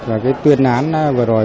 và cái tuyên án vừa rồi